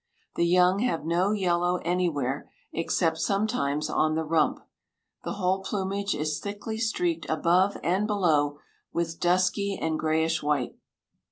The young have no yellow anywhere, except sometimes on the rump. The whole plumage is thickly streaked above and below with dusky and grayish white.